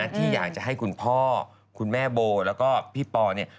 ที่อยากจะให้คุณพ่อคุณแม่โบแล้วก็พี่ปอเนี่ย